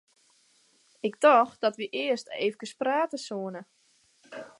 Ik tocht dat wy earst eefkes prate soene.